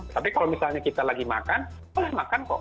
tapi kalau misalnya kita lagi makan boleh makan kok